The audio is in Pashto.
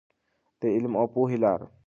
د علم او پوهې لاره.